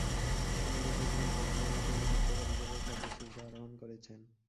তিনি দেশে ফিরেন, ততদিনে তিনি নাট্যকার হিসেবে খ্যাতির শীর্ষে আরোহণ করেছেন।